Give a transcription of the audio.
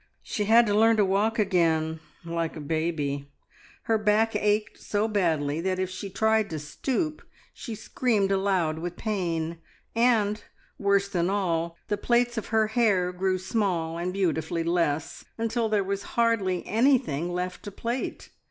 She had to learn to walk again, like a baby, her back ached so badly that if she tried to stoop she screamed aloud with pain, and, worse than all, the plaits of hair grew small and beautifully less, until there was hardly anything left to plait.